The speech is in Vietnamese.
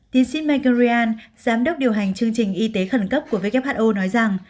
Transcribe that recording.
tiến sĩ michael ryan giám đốc điều hành chương trình y tế khẩn cấp của who nói rằng